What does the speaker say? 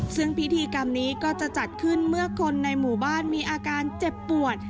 ซึ่งพิธีกรรมนี้ก็จะจัดขึ้นเมื่อคนในหมู่บ้านมีอาการเจ็บปวด